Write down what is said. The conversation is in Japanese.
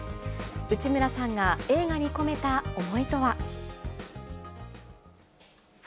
内村さんが映画にこめた思いとは？